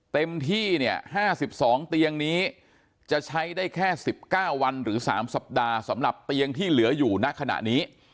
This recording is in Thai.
เต็มที่เนี่ย๕๒เตียงนี้จะใช้ได้แค่๑๙วันหรือ๓สัปดาห์สำหรับเตียงที่เหลืออยู่ณขณะนี้